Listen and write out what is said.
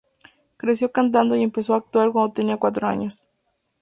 Creció cantando y empezó a actuar cuando tenía cuatro años.